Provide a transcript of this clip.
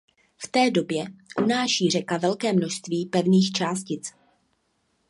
V té době unáší řeka velké množství pevných částic.